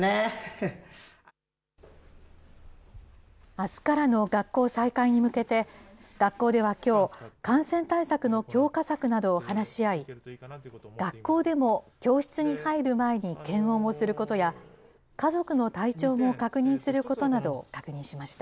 あすからの学校再開に向けて、学校ではきょう、感染対策の強化策などを話し合い、学校でも教室に入る前に検温をすることや、家族の体調も確認することなどを確認しました。